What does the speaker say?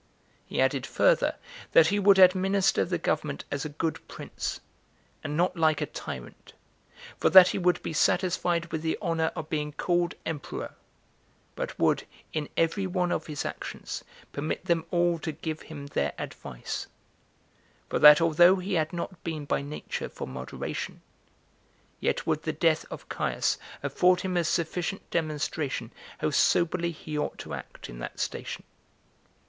He added further, that he would administer the government as a good prince, and not like a tyrant; for that he would be satisfied with the honor of being called emperor, but would, in every one of his actions, permit them all to give him their advice; for that although he had not been by nature for moderation, yet would the death of Caius afford him a sufficient demonstration how soberly he ought to act in that station.